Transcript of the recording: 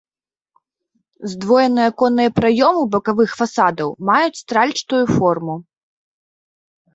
Здвоеныя аконныя праёмы бакавых фасадаў маюць стральчатую форму.